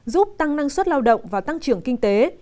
giúp tăng năng suất lao động và tăng trưởng kinh tế